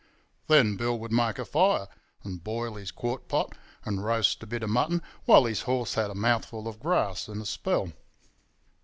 Then Bill would make a fire and boil his quart pot, and roast a bit of mutton, while his horse had a mouthful of grass and a spell.